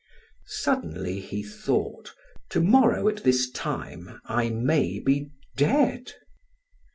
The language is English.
Suddenly he thought: "To morrow at this time I may be dead."